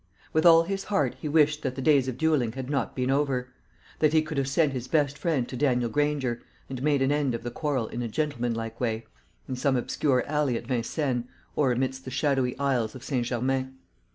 With all his heart he wished that the days of duelling had not been over; that he could have sent his best friend to Daniel Granger, and made an end of the quarrel in a gentlemanlike way, in some obscure alley at Vincennes, or amidst the shadowy aisles of St. Germains.